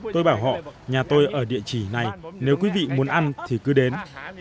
tôi bảo họ nhà tôi ở địa chỉ này nếu quý vị muốn ăn thì cứ đến